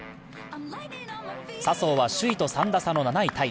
笹生は首位と３打差の７位タイ。